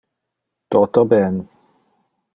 Toto ben!